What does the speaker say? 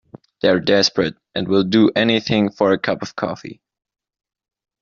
They're desperate and will do anything for a cup of coffee.